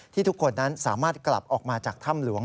ทุกคนนั้นสามารถกลับออกมาจากถ้ำหลวง